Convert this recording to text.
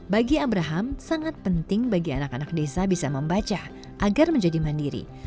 bagi abraham sangat penting bagi anak anak desa bisa membaca agar menjadi mandiri